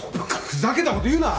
ふざけたこと言うな。